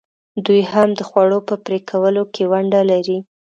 دوی هم د خوړو په پرې کولو کې ونډه لري.